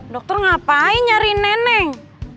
dokter ngapain nyariin neneng